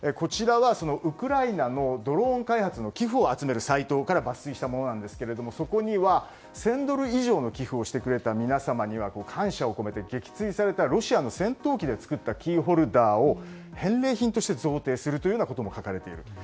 ウクライナのドローン開発の寄付を集めるサイトから抜粋したものなんですがそこには、１０００ドル以上の寄付をしてくれた皆さんには感謝を込めて撃墜されたロシアの戦闘機で作ったキーホルダーを返礼品として贈呈することも書かれていると。